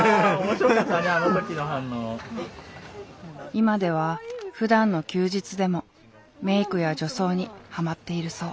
今ではふだんの休日でもメイクや女装にハマっているそう。